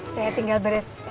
saya tinggal beres